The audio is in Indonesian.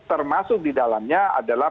termasuk di dalamnya adalah